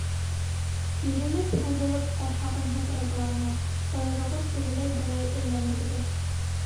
Кирелеп-һуҙылып ҡорһағын һыпырғыланы, ҡойроғон тегеләй-былай әйләндерҙе.